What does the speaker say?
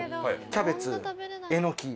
キャベツえのき